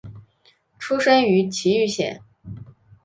出身于崎玉县。